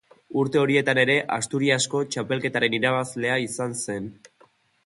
Urte horietan ere Asturiasko txapelketaren irabazlea izan zen.